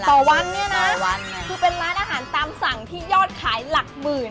ต่อวันเนี่ยนะคือเป็นร้านอาหารตามสั่งที่ยอดขายหลักหมื่น